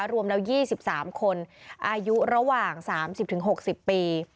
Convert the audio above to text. รวมแล้ว๒๓คนอายุระหว่าง๓๐๖๐ปี